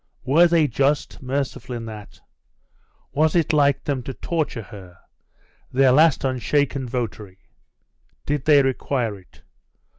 Were they just, merciful in that? Was it like them, to torture her, their last unshaken votary? Did they require it?